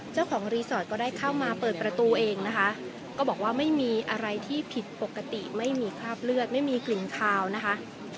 เจ้าของรีสอร์ทก็ได้เข้ามาเปิดประตูเองนะคะก็บอกว่าไม่มีอะไรที่ผิดปกติไม่มีคราบเลือดไม่มีกลิ่นคาวนะคะ